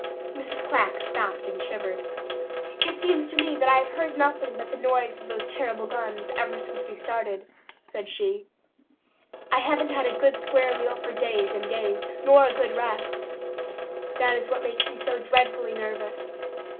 Mrs. Quack stopped and shivered. "It seems to me I have heard nothing but the noise of those terrible guns ever since we started," said she. "I haven't had a good square meal for days and days, nor a good rest. That is what makes me so dreadfully nervous.